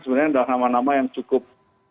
sebenarnya adalah nama nama yang cukup